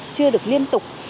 chưa được liên tục